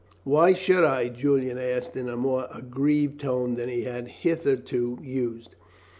"Why should I?" Julian asked in a more aggrieved tone than he had hitherto used.